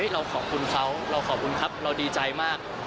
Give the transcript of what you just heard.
เราขอบคุณเขาเราขอบคุณครับเราดีใจมาก